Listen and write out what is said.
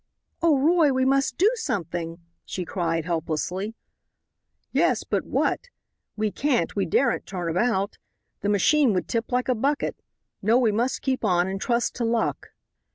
"Oh, Roy, we must do something!" she cried, helplessly. "Yes, but what? We can't, we daren't turn about. The machine would tip like a bucket. No, we must keep on and trust to luck."